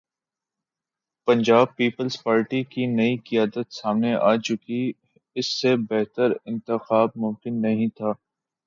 Punjab Peoples Party کی نئی قیادت سامنے آ چکی اس سے بہتر انتخاب ممکن نہیں تھا۔